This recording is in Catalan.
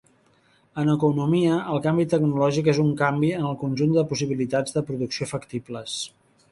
En economia, el canvi tecnològic és un canvi en el conjunt de possibilitats de producció factibles.